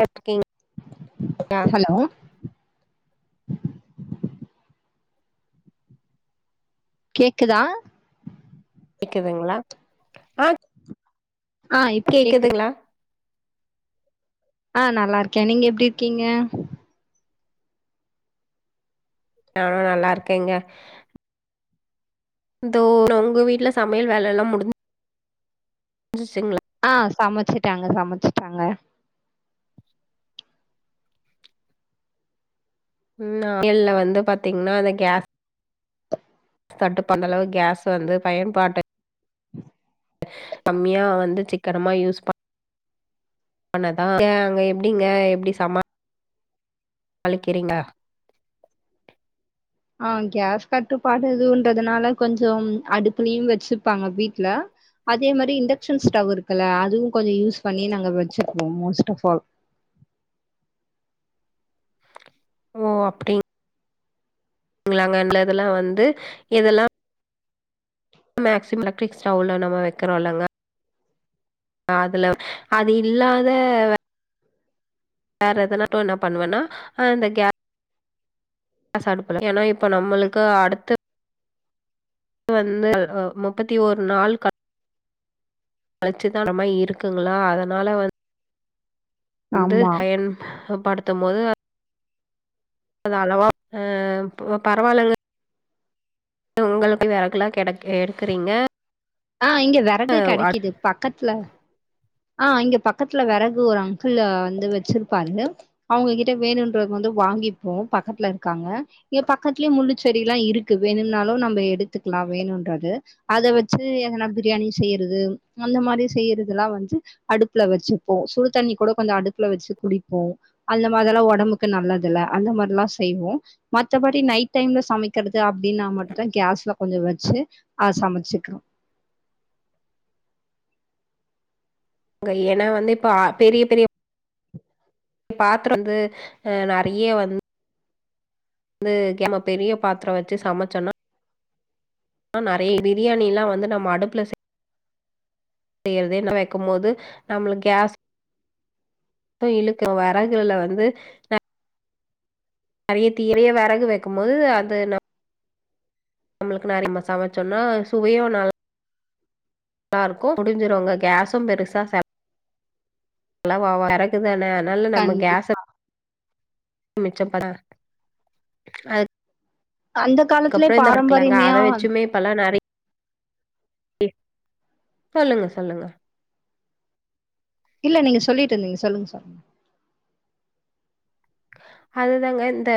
loaf king hello கேக்குதா கேக்குதுங்களா ஆஹ ஆஹ் இப்ப கேக்கு ஆஹ் நல்லா இருக்கேன் நீங்க எப்படி இருக்கீங்க நானும் நல்லா இருக்கேங்க இந்தோ உங்க வீட்டுல சமையல் வேலை எல்லாம் முடிஞ்ச சிங்க ஆஹ் சமைச்சிட்டாங்க சமைச்சிட்டாங்க உம் ஆயல்ல வந்து பாத்தீங்கன்னா அந்த கேஸ் க தட்டு பண்ண அளவுக்கு கேஸ் வந்து பயன்பாட்டு கம்மியா வந்து சிக்கனமா யூஸ் பன்தான் அங்க எப்படிங்க எப்படி சம அழிக்கிறீங்கா ஆஹ் கேஸ் கட்டுப்பாடு இதுன்றதுனால கொஞ்சம் அடுப்பலும் வச்சுப்பாங்க வீட்டுல அதே மாரி இண்டக்ஷன் ஸ்டவ் இருக்குல்ல அதுவும் கொஞ்சம் யூஸ் பண்ணி நாங்க வச்சுப்போம் மோஸ்ட் ஆஃப் ஆல் ஓ அப்படி ங்களாங்கல இதெல்லாம் வந்து இதெல்லாம் மேக்சிமம் எலக்ரிக் ஸ்டவ்ல நம்ம வைக்கறோம்ங்க அதுல அது இல்லாத வேற எதனாட்டும் என்ன பண்ணுவன்னா இந்த கேஸ் காடுப்பலாம் ஏன்னா இப்ப நம்மளுக்கு அடுத்த இது வந்து முப்பத்தி ஒரு நாள் கட் அழச்சுதானமா இருக்குங்களா அதனால வந்து வந்து ஆமா அயன் ஹப் படுத்தும் போது அ அளவாஹ பரவாயில்லங்க உங்களுக்குய வறக்கெல்லா கடை எடுக்குறீங்க ஆஹ இங்க விறகு கெடைக்குது பக்கத்துல ஆஹ இங்க பக்கத்துல விறகு ஒரு அங்கிள் வந்து வச்சிருப்பாரு அவுங்ககிட்ட வேணும்ன்றது வந்து வாங்கிப்போம் பக்கத்துல இருக்காங்க இங்க பக்கத்துலயே முள்ளு செடி எல்லா இருக்கு வேணும்னாலு நம்ப எடுத்துக்கலா வேணும்ன்றது அதை வச் எதனா பிரியாணி செய்யறது அந்த மாரி செய்யறதெல்லா வந்து அடுப்புல வச்சுப்போ சுடு தண்ணி கூட கொஞ்ச அடுப்புல வச்சு குடிப்போ அந்த மாரில்லா உடம்புக்கு நல்லது இல் அந்த மாதிரிலா செய்வோ மற்றபடி நைட் டைம்ல சமைக்கிறது அப்புடின்னுமட்டும்தா கேஸ்ல கொஞ்ச வச்சுஹ சமைச்சுக்கிறோ அங்க ஏன்னா வந்து இப்ப பெரிய பெரிய பாத்திரங்கள் வந்து அஹ நிறைய வந்து வைக்காம பெரிய பாத்திரம் வச்சு சமைச்சோனா நெறைய பிரியாணி எல்லா வந்து நம்ம [unintelligible] அடுப்புல செய்யறதே வைக்கும்போது நம்மள கேஸ் அ இழுக்கும் வரகுல வந்து நறைய தீரைய விறகு வைக்கு போது அது ந நம்மளுக்கு நிறைய மசா வச்சோம்ன்னா சுவையையும் ந நல்லா இருக்குங்க முடிஞ்சிருவங்க கேசும் பெருசா செ நல்லா வா இறக்குதானே [unintelligible] அதனால நம்ம கண்டி கேஸ் மிச்சப்ப அது [unintelligible] அந்த காலத்துலயே அத பாரம்பரியமையா வச்சுமே இப்பல்லா நெறைய சொல்லுங்க சொல்லுங்க நீங்க சொல்லிட்டு இருந்தீங்க சொல்லுங்க சொல்லுங்க அதுதாங்க இந்த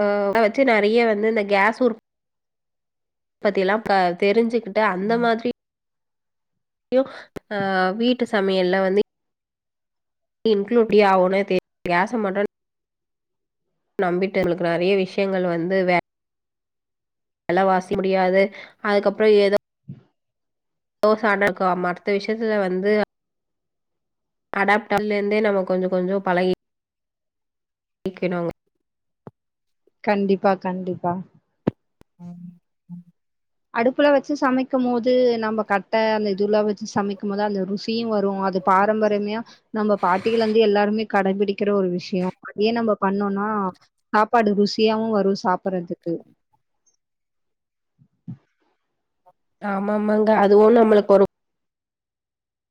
அஹ அத வச்சு நறைய வந்து [unintelligible] இந்த கேஸ் உ உற்பத்தி எல்லா தெரிஞ்சுக்கிட்டு அந்த மாதிரி அஹ வீட்டு சமையல்ல வந்து இன்கிளூட்டிய ஆவுனே தெரியல கேச மட்டு [unintelligible] நம்பிட்டு எங்களுக்கு நிறைய விஷயங்கள் வந்து வே வெள வாசி முடியாது அதுக்கப்புற ஏதோ [unintelligible] ச ஆண்ட இருக்குவ அடுத்த விஷயத்துல வந்து அடாப்டல இருந்தே நம்ம கொஞ்சம் கொஞ்சம் பழகி நக்கணும்ங்க [unintelligible] கண்டிப்பா கண்டிப்பா உ [unintelligible] ம் அடுப்புல வச்சு சமைக்கு போது நம்ம கட்ட அந்த இதுல்ல வச்சு சமைக்கு போது அந்த ருசியு வரு அது பாரம்பரியமையா நம்ப பாட்டிகள் வந்து எல்லாருமே கடபிடிக்கிற ஒரு விஷய அதே நம்ம பண்ணோம்னா சாப்பாடு ருசியாவு வரு சாப்பிடுறதுக்கு ஆமாமாங்க அதுவு நம்மளுக்கு ஒரு பொறு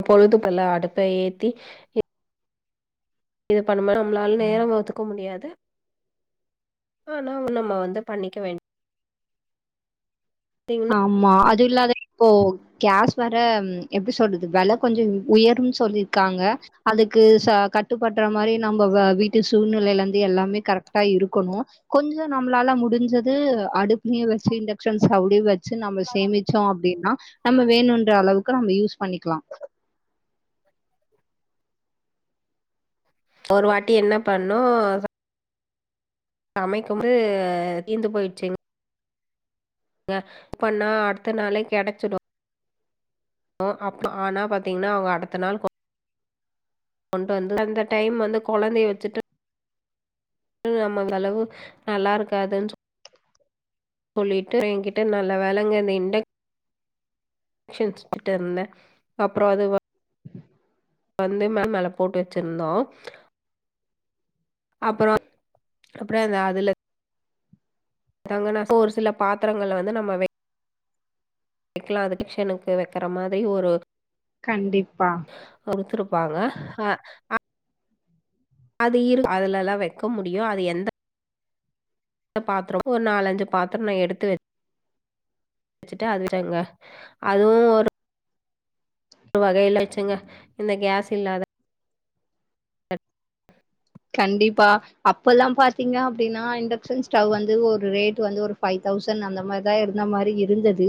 அப்பொழுது பல அடுப்பை ஏத்தி இது பண்ணோ நம்மளால நேர ஒத்துக்க முடியாது ஆனாவு நம்ம வந்து பண்ணிக்க வேண்ட ஆமா அச் அது இல்லாத இப்போ கேஸ் வர எப்பிடி சொல்றது வெலை கொஞ்ச உயரு சொல்லிருக்காங்க அதுக்கு கட்டுப்படுற மாரி நம்ம வீட்டு சூழ்நிலையில இருந்து எல்லாமே கரெக்டா இருக்கணு கொஞ்ச நம்மளால முடிஞ்சது அடுப்பிலியே வச்சு இண்டக்ஷன்ஸ் வச்சு நம்ம சேமிச்சோ அப்புடின்னா நம்ம வேணும்ன்ற அளவுக்கு நம்ம யூஸ் பண்ணிக்கலா ஒரு வாட்டி என்ன பண்ணு சமைக்கும்பது தீந்து போயிடுச்சுங்க புக் பண்ணா அடுத்த நாளே கிடைச்சிடும் அ ஆனா பாத்தீங்கன்னா அவங்க அடுத்த நாள் கொண்டு வந்து அந்த டைம் வந்து குழந்தைய வச்சுட்டு நம்ம அளவு நல்லா இருக்காதுன்னு சொல்லிட்டு என்கிட்ட நல்ல வேளங்கு அந்த இண்ட ன்ட்டு இருந்தேன் அப்புறம் அது வந்து மேம் மேல போட்டு வச்சிருந்தோம் அப்புறம் அப்புறம் அந்த அதுல ங்கனா ஒரு சில பாத்திரங்கள்ல வந்து நம்ம சைக்கலாம் அது டிக்ஷனக்கு வைக்கற மாதிரி ஒரு கண்டிப்பா ப்பாங்க ஆஹ் அது அதுல எல்லாம் வைக்க முடியும் அது எந்த பாத்திரம் ஒரு நாலஞ்சு பாத்திரம் நான் எடுத்து வச்ச வச்சட்டு அதுச்சங்க அதுவும் ஒரு ஒரு வகையில வச்சுங்க இந்த கேஸ் இல்லாத கண்டிப்பா அப்ப எல்லாம் பாாரத்தீங்க அப்படின்னா இண்டக்ஷன் ஸ்டவ் வந்து ஒரு ரேட் வந்து ஒரு பஃபைவ் தௌசண்ட் அந்த மாதிரிதான் இருந்த மாதிரி இருந்தது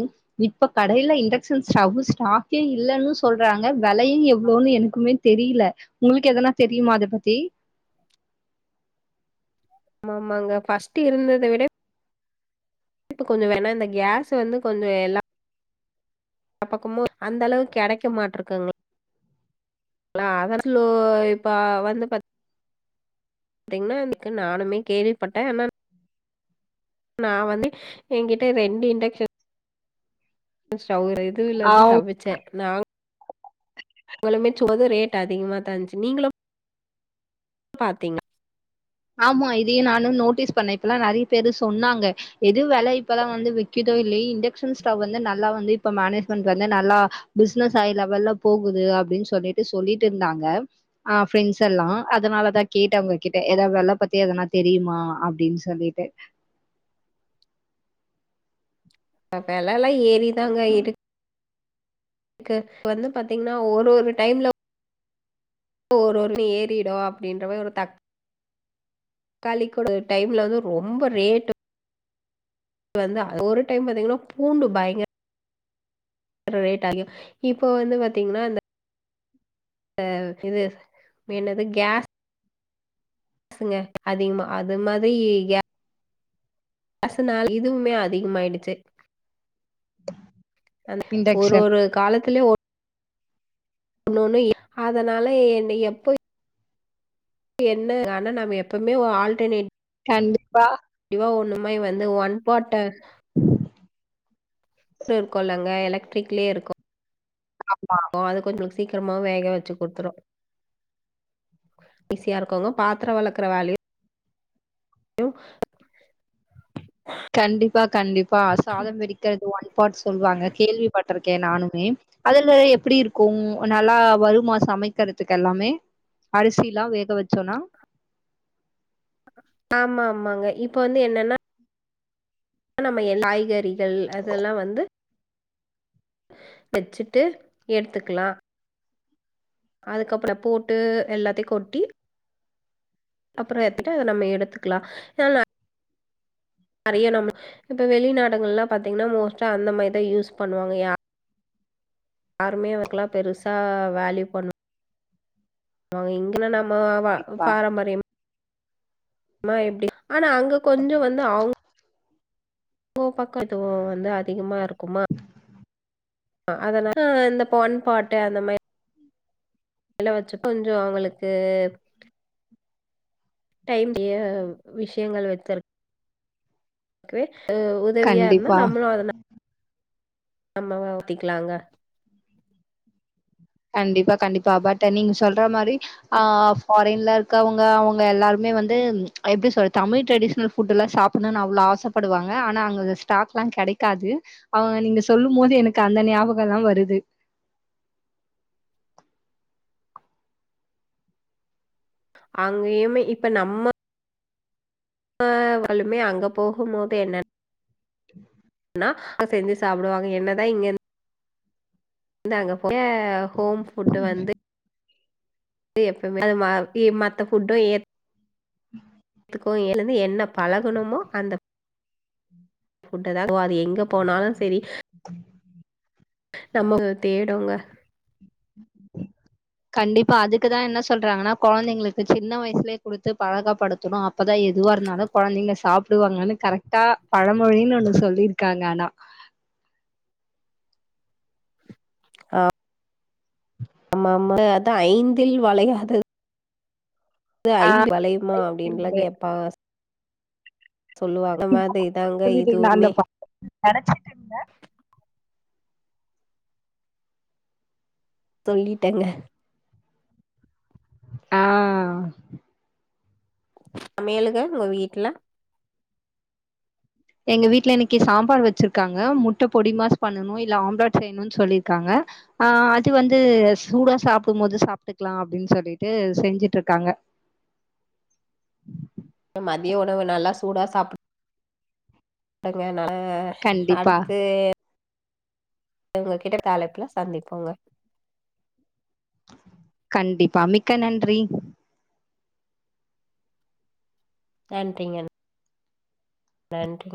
இப்ப கடையில இண்டக்ஷன் ஸ்டவ் ஸ்டாக்கே இல்லைன்னு சொல்றாங்க விலையும் எவ்வளவுன்னு எனக்குமே தெரியல உங்களுக்கு எதனா தெரியுமா அத பத்தி ஆ ஆமாங்க பஃர்ஸ்ட் இருந்ததை விட ப்ப கொஞ்சம் வேணாம் இந்த கேஸ் வந்து கொஞ்சம் எல்லாம் பக்கமும் அந்த அளவுக்கு கிடைக்க மாட்டிருக்கங்களா அதல இப்ப வந்தீங்கா அதுக்கு நானுமே கேள்விப்பட்டேன் ஆனா நான் வந்து என்கிட்ட ரெண்டு இண்டக்ஷன் அ ஒரு இதுவல இருந்து ஆவ் தப்பச்சேன் நாங்க உங்களும து ரேட் அதிகமா தான் இருந்துச்சு நீங்களும் என் பாத்தீங்க ஆமா இதையும் நானும் நோட்டீஸ் பண்ணேன் இப்பல்லாம் நிறைய பேரு சொன்னாங்க எது வேலை இப்பல்லாம் வந்து விக்குதோ இல்லையே இண்டக்ஷன் ஸ்டவ் வந்து நல்லா வந்து இப்ப மேனேஜ்மெண்ட் வந்து நல்லா பிசினஸ் ஐ லெவல்ல போகுது அப்படின்னு சொல்லிட்டு சொல்லிட்டு இருந்தாங்க ஆஹ் ப்ரண்ட்ஸ் எல்லாம் அதனாலதான் கேட்டவங்க கிட்ட ஏதாவ வெள்ள பத்தி அதெல்லாம் தெரியுமா அப்படின்னு சொல்லிட்டு விலலாம் ஏறிதாங்க இருக்கு எனக்கு வந்து பாத்தீங்கன்னா ஒரு ஒரு டைம்ல ஒரு ஏறிடும் அப்படின்ற மா ஒரு தக்க தக்காளிக்கட டைம்ல வந்து ரொம்ப ரேட்டு் இது வந்து ஒரு டைம் பாத்தீங்கன்னா பூண்டு பயங்கர ரேட் ஆகும் இப்போ வந்து பாத்தீங்கன்னா இந்த இது மனது கேஸ் பேசுங்க அதிகமா அது மாதிரி க பசனா இதுவுமே அதிகமாயிடுச்சு அ ஒரு இண்டக்ஷன் ஒரு காலத்திலயே ஒரு ஒண்ணொன்னு அதனால என்ன எப்போ என்ன ஆனா நாம எப்பவுமே ஆல்டர்னேட்டவ கண்டிப்பா வந்து ஒன்ப்பட்ட இருக்கும்ல்லங்க எலக்ட்ரிக்லயே இருக்கும் ஆமா அது கொஞ்சம்ளுக்கு சீக்கிரமா வேக வச்சு குடுத்துரும் ஈஸியா இருக்கங்க பாத்திரம் வளர்க்குற வேலையும் கண்டிப்ப கண்டிப்பா ப்ப சாதம் வெடிக்கிறது ஒன்பாட் சொல்லுவாங்க கேள்விப்பட்ட இருக்கேன் நானுமே அதுல எப்படி இருக்கும் நல்லா வருமாசம் அமைக்கிறதுக்கு எல்லாமே அரிசி எல்லாம் வேக வச்சோம்னா ஆமா ஆமாங்க இப்ப வந்து என்னன்னா ஆ நம்ம என் காய்கறிகள் அதெல்லாம் வந்து வச்சுட்டு ஏடுத்துக்கலாம் அதுக்கப்புறம் போட்டு எல்லாத்தையும் கொட்டி அப்புறம் எத்துட்டு அதை நம்ம எடுத்துக்கலாம் ஏ நிறைய நம்ம இப்ப வெளிநாடுகள் எல்லாம் பாத்தீங்கன்னா மோஸ்டா அந்த மாதிரிதான் யூஸ் பண்ணுவாங்க யா யாருமேக்கெல்லாம் பெருசா வேல்யூ பண்ணும் ஆ என்ன நம்மோ ஆ ப்பா பாரம்பரியம் மா எப்டி ஆனா அங்க கொஞ்ச வந்து அவங் ஓ பக்க முக்கியுத்துவோ வந்து அதிகமா இருக்குமா அதனால இந்த பொன் பாட்டு அந்த மாரிலா வச்சு கொஞ்சொ அவங்களுக்கு டைம் [unintelligible] விஷயங்கள் வைத்திருக் ஓகே ஆ உதவியா இருந்தா கண்டிப்பா நம்மளு அத நா ம்மவா ஊத்திக்கலாங்க கண்டிப்பா கண்டிப்பா பட் நீங்க சொல்ற மாரி ஆஹ் ஃபாரின்ல இருக்கவங்க அவங்க எல்லாருமே வந்து எப்டி சொல்றது தமிழ் ட்ரெடிஷனல் ஃபுட்ட எல்லா சாப்டணுன்னு அவ்ளோ ஆசப்படுவாங்க ஆனா அங்க ஸ்டாக்லா கெடைக்காது அவங்க நீங்க சொல்லும் போது எனக்கு அந்த ஞாபகோ எல்லா வருது அங்கயுமே இப்ப நம்ம ஆ வலுமே அங்க போகும் போது என்ன [unintelligible] ன்னா ஆ செஞ்சு சாப்டுவாங்க என்னதா இங்க இருந் து அங்க யா ஹோம் ஃபுட் வந்து ந்து எப்பமே அது ம இ மத்த ஃபுட்டு ஏ ம் த்துக்கு இதிலிருந்து என்ன பழகணுமோ அந்த ஃபுட்டதா அது எங்க போனாலு சரி நமக்கு தேடுங்க கண்டிப்பா அதுக்குதா என்ன சொல்றாங்கன்னா கொழந்தைங்களுக்கு சின்ன வயசுலயே குடுத்து பழகப்படுத்தணு அப்பதா எதுவா இருந்தாலு கொழந்தைங்க சாப்டுவாங்கன்னு கரெக்டா பழமொழின்னு ஒண்ணு சொல்லிருக்காங்க ஆனா ஆஹ் ஆமா அதா ஐந்தில் வளையாத து ஆ ஐம்பதில் வளையுமா அப்டின்லா கேப்பாங்க சொல்லுவாங்க அந்த மாதிரிதாங்க இதுவுமே படைச்சு [unintelligible] சொல்லிட்டேங்க ஆஹ் சமையலுக உங்க வீட்ல எங்க வீட்ல இன்னக்கி சாம்பார் வச்சிருக்காங்க முட்டை பொடிமாஸ் பண்ணணு இல்ல ஆம்லேட் செய்யணுன்னு சொல்லிருக்காங்க அஹ் அது வந்து சூடா சாப்டும் போது சாப்ட்டுக்கலா அப்டின்னு சொல்லிட்டு செஞ்சுட்ருக்காங்க மதிய உணவு நல்லா சூடா சாப்டு [unintelligible] னால கண்டிப்பா அடுத்து உங்க கிட்ட தலைப்புல சந்திப்போங்க கண்டிப்பா மிக்க நன்றி நன்றிங்க நன்றி